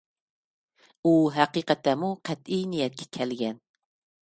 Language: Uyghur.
ئۇ ھەقىقەتەنمۇ قەتئىي نىيەتكە كەلگەن.